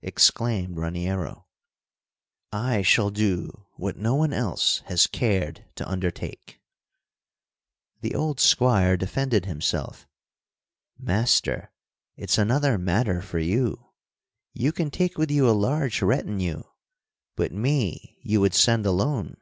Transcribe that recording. exclaimed Raniero. "I shall do what no one else has cared to undertake." The old squire defended himself. "Master, it's another matter for you. You can take with you a large retinue but me you would send alone."